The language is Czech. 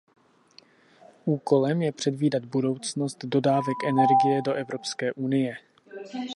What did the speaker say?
Úkolem je předvídat budoucnost dodávek energie do Evropské unie.